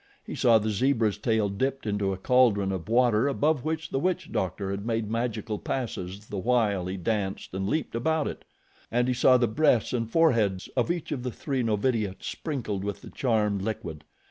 He saw the zebra's tail dipped into a caldron of water above which the witch doctor had made magical passes the while he danced and leaped about it, and he saw the breasts and foreheads of each of the three novitiates sprinkled with the charmed liquid.